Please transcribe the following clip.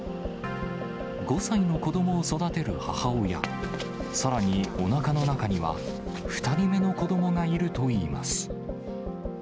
５歳の子どもを育てる母親、さらに、おなかの中には２人目の子どもがいるといいます。